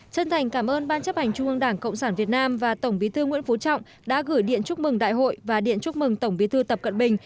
chân thành cảm ơn ban chấp hành trung ương đảng cộng sản việt nam và tổng bí thư nguyễn phú trọng đã gửi điện chúc mừng đại hội và điện chúc mừng tổng bí thư tập cận bình